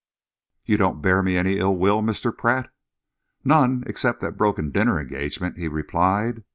"You don't bear me any ill will, Mr. Pratt?" "None except that broken dinner engagement," he replied.